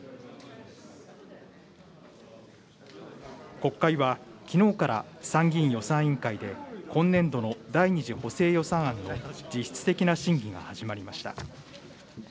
国会はきのうから、参議院予算委員会で今年度の第２次補正予算案の実質的な審議が始まりました。